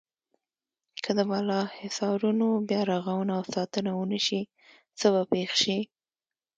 که د بالا حصارونو بیا رغونه او ساتنه ونشي څه به پېښ شي.